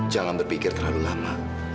jangan berpikir terlalu lama